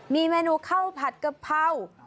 มีเมนูข้าวผัดกะเพรา